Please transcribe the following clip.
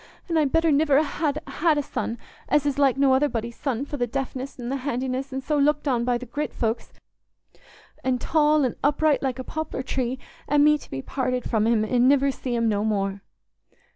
An' I'd better niver ha' had a son, as is like no other body's son for the deftness an' th' handiness, an' so looked on by th' grit folks, an' tall an' upright like a poplar tree, an' me to be parted from him an' niver see 'm no more."